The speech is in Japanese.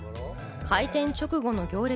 開店直後の行列